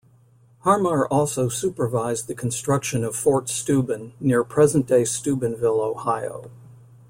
Harmar also supervised the construction of Fort Steuben near present-day Steubenville, Ohio.